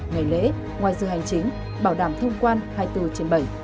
ngày lễ ngoài giờ hành chính bảo đảm thông quan hai mươi bốn trên bảy